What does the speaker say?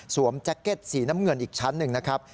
แจ็คเก็ตสีน้ำเงินอีกชั้นหนึ่งนะครับ